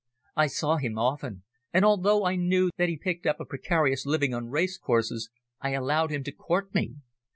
I saw him often, and although I knew that he picked up a precarious living on race courses, I allowed him to court me.